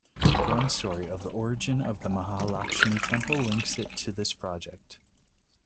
One story of the origin of the Mahalaxmi temple links it to this project.